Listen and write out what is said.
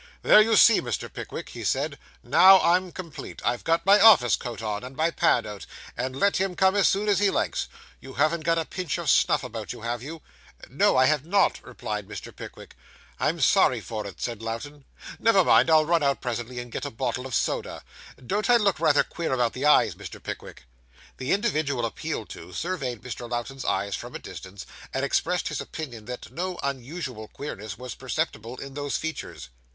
'There, you see, Mr. Pickwick,' he said, 'now I'm complete. I've got my office coat on, and my pad out, and let him come as soon as he likes. You haven't got a pinch of snuff about you, have you?' 'No, I have not,' replied Mr. Pickwick. 'I'm sorry for it,' said Lowten. 'Never mind. I'll run out presently, and get a bottle of soda. Don't I look rather queer about the eyes, Mr. Pickwick?' The individual appealed to, surveyed Mr. Lowten's eyes from a distance, and expressed his opinion that no unusual queerness was perceptible in those features.